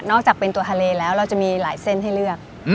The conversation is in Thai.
อกจากเป็นตัวทะเลแล้วเราจะมีหลายเส้นให้เลือก